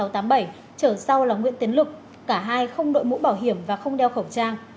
chở sau là nguyễn tiến lực cả hai không đội mũ bảo hiểm và không đeo khẩu trang